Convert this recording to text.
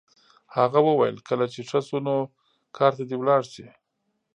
هغه وویل کله چې ښه شو نو کار ته دې لاړ شي